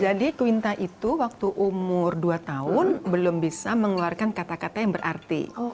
jadi quinta itu waktu umur dua tahun belum bisa mengeluarkan kata kata yang berarti